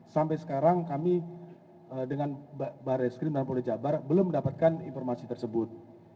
sampai sekarang kami dengan barreskrim dan polri jabar belum mendapatkan informasi tersebut